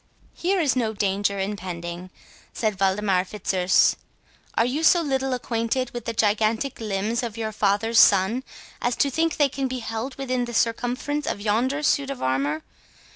"Here is no danger impending," said Waldemar Fitzurse; "are you so little acquainted with the gigantic limbs of your father's son, as to think they can be held within the circumference of yonder suit of armour?